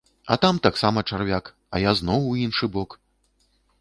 А там таксама чарвяк, а я зноў у іншы бок.